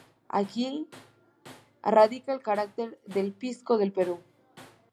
Aquí radica el carácter del pisco del Perú.